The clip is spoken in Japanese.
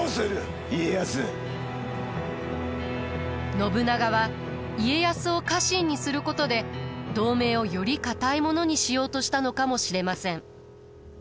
信長は家康を家臣にすることで同盟をより固いものにしようとしたのかもしれません。